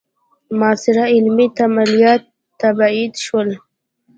معاصر علمي تمایلات تبعید شول.